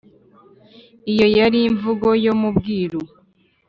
(iyo yari imvugo yo mu bwiru).